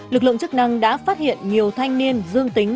lực lượng chức năng đã phát hiện nhiều thanh niên dương tính